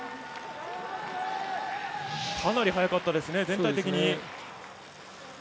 かなり早かったですね、全体的に。